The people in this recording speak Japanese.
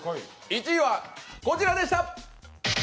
１位はこちらでした。